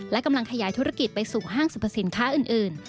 และกำลังขยายธุรกิจไปสู่ห้างสรรพสินค้าอื่น